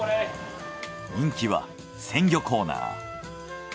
人気は鮮魚コーナー。